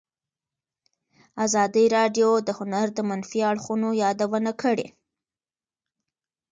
ازادي راډیو د هنر د منفي اړخونو یادونه کړې.